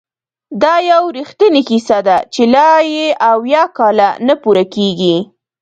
دا یو رښتینې کیسه ده چې لا یې اویا کاله نه پوره کیږي!